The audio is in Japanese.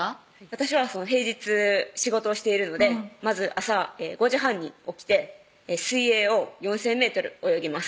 私は平日仕事をしているのでまず朝５時半に起きて水泳を４０００ｍ泳ぎます